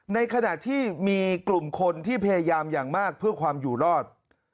ในขณะที่มีกลุ่มคนที่พยายามอย่างมากเพื่อความอยู่รอด